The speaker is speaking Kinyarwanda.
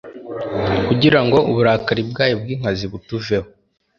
kugira ngo uburakari bwayo bw'inkazi butuveho